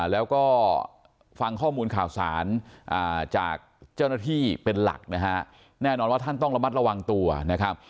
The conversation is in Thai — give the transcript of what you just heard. แล้วก็ฟังข้อมูลข่าวสารจากเจ้าหน้าที่เป็นหลักนะฮะแน่นอนว่าท่านต้องระมัดระวังตัวนะครับ